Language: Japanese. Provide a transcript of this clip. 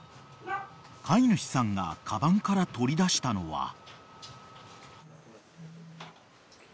［飼い主さんがかばんから取り出したのは］